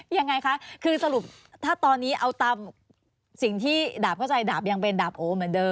ยังไงคะคือสรุปถ้าตอนนี้เอาตามสิ่งที่ดาบเข้าใจดาบยังเป็นดาบโอเหมือนเดิม